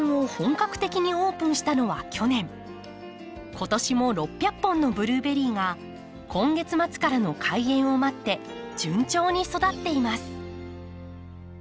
今年も６００本のブルーベリーが今月末からの開園を待って順調に育っています。